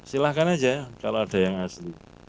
silahkan aja kalau ada yang asli